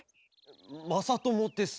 まさともです。